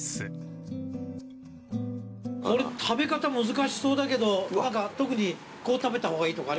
食べ方難しそうだけど何か特にこう食べた方がいいとか。